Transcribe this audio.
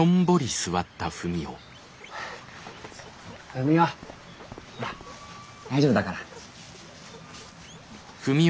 ふみおほら大丈夫だから。